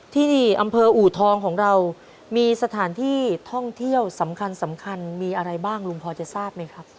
ที่นี่อำเภออูทองของเรามีสถานที่ท่องเที่ยวสำคัญสำคัญมีอะไรบ้างลุงพอจะทราบไหมครับ